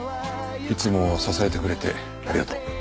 いつも支えてくれてありがとう。